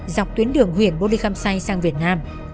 dọc tuyến đường huyện bô lê khâm say sang việt nam